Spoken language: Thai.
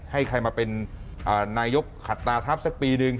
ให้ใครมาเป็นนายกขัดตาทัพสักปีหนึ่ง